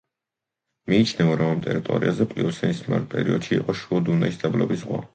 მიიჩნევა, რომ ამ ტერიტორიაზე პლიოცენის პერიოდში იყო შუა დუნაის დაბლობის ზღვა.